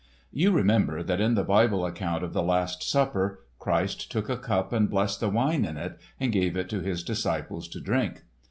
You remember that in the Bible account of the Last Supper, Christ took a cup and blessed the wine in it and gave it to His disciples to drink.